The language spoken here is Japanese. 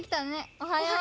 おはよう。